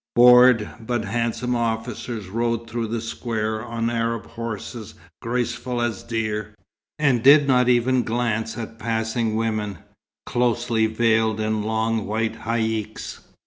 Bored but handsome officers rode through the square on Arab horses graceful as deer, and did not even glance at passing women, closely veiled in long white haïcks.